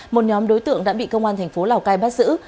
một nhóm đối tượng đã bị công an thành phố lào cai bắt giữ